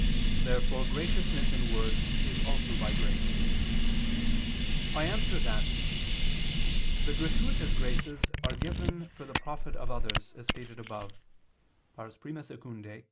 Therefore graciousness in words is also by grace. I answer that, The gratuitous graces are given for the profit of others, as stated above (I II, Q.